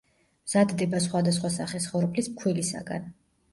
მზადდება სხვადასხვა სახის ხორბლის ფქვილისაგან.